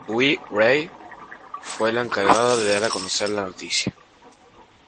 Wray fue la encargada de dar a conocer la noticia.